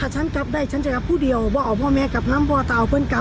ใช่นี่แหละ